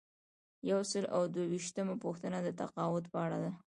یو سل او دوه ویشتمه پوښتنه د تقاعد په اړه ده.